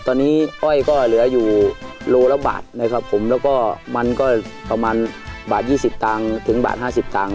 ตอนนี้อ้อยก็เหลืออยู่โลละบาทแล้วก็มันก็ประมาณบาท๒๐ตังค์ถึงบาท๕๐ตังค์